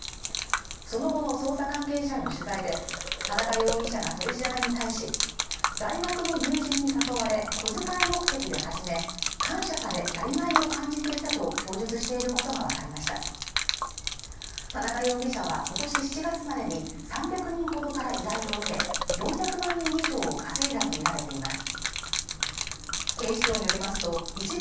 その後の捜査関係者への取材で田中容疑者が取り調べに対し大学の友人に誘われ小遣い目的で始め感謝されやりがいを感じていたと供述していることが分かりました田中容疑者はことし７月までに３００人ほどから依頼を受け４００万円以上を稼いだとみられています